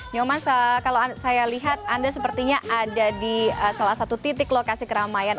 nyoman kalau saya lihat anda sepertinya ada di salah satu titik lokasi keramaian